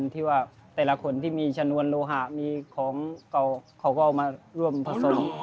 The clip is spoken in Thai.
แต่ละคนที่มีชะนวลโรหะเขาก็เอามาร่วมภายนั้น